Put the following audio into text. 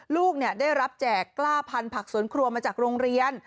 ลูกได้รับแจกกล้าพันธุผักสวนครัวมาจากโรงเรียน